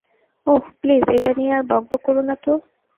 ওহ, please, এটা নিয়ে আর বকবক করো নাতো।